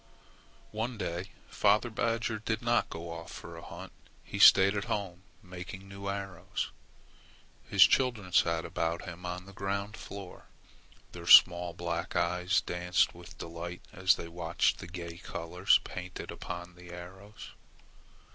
One day father badger did not go off for a hunt. He stayed at home, making new arrows. His children sat about him on the ground floor. Their small black eyes danced with delight as they watched the gay colors painted upon the arrows.